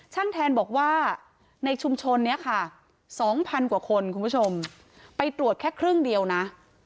แทนบอกว่าในชุมชนนี้ค่ะ๒๐๐กว่าคนคุณผู้ชมไปตรวจแค่ครึ่งเดียวนะ